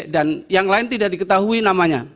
dan yang lain tidak diketahui namanya